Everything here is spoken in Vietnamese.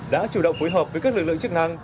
đã chủ động phối hợp với các lực lượng chức năng